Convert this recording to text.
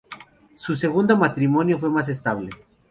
Su segundo matrimonio fue más estable.